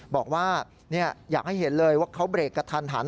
บอกว่าอยากให้เห็นเลยว่าเขาเบรกกระทันหัน